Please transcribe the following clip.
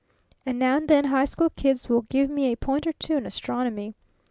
And now and then high school kids will give me a point or two on astronomy.